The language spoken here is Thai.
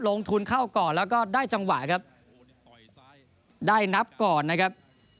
ลงทุนเข้าก่อนแล้วก็ได้จังหวะครับได้นับก่อนนะครับ